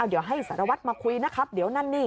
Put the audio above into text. เดี๋ยวให้สารวัตรมาคุยนะครับเดี๋ยวนั่นนี่